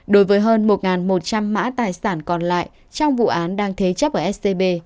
đối với hơn một một trăm linh mã tài sản còn lại trong vụ án đang thế chấp ở scb